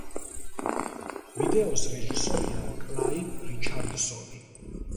ვიდეოს რეჟისორია კლაივ რიჩარდსონი.